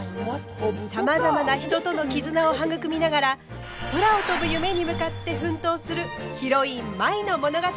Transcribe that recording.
さまざまな人との絆を育みながら空を飛ぶ夢に向かって奮闘するヒロイン舞の物語。